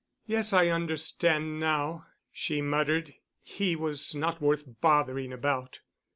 "Yes, I understand now," she muttered. "He was not worth bothering about."